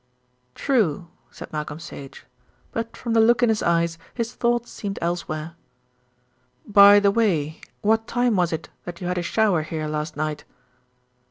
"True," said Malcolm Sage, but from the look in his eyes his thoughts seemed elsewhere. "By the way, what time was it that you had a shower here last night?"